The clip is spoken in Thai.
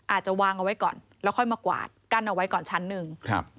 อาจจะวางเอาไว้ก่อนแล้วค่อยมากวาดกั้นเอาไว้ก่อนชั้นหนึ่งครับ